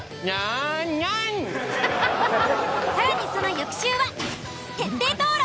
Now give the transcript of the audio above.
更にその翌週は徹底討論！